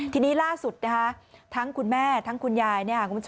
ทีนี้ล่าสุดนะคะทั้งคุณแม่ทั้งคุณยาย